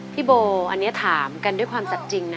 พี่โบอันนี้ถามกันด้วยความสัดจริงนะ